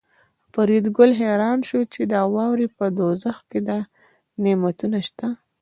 فریدګل حیران شو چې د واورې په دوزخ کې دا نعمتونه شته